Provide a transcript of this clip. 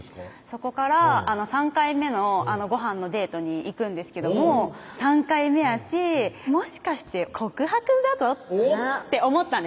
そこから３回目のごはんのデートに行くんですけども３回目やしもしかして告白だぞって思ったんです